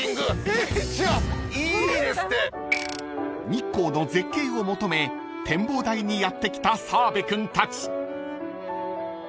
［日光の絶景を求め展望台にやって来た澤部君たち］